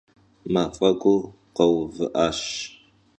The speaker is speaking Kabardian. Maf'egur kheuvı'aş.